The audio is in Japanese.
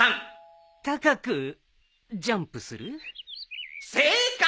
高くジャンプする？正解！